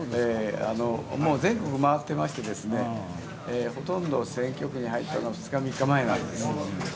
もう全国回ってましてほとんど選挙区に入ったのは２日、３日前なんですよ。